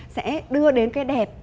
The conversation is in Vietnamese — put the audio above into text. sẽ đưa đến cái đẹp